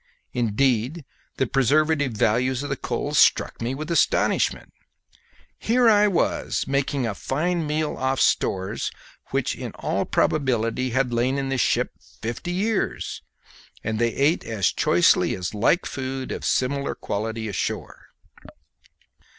Indeed, the preservative virtues of the cold struck me with astonishment. Here was I making a fine meal off stores which in all probability had lain in this ship fifty years, and they ate as choicely as like food of a similar quality ashore.